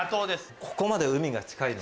ここまで。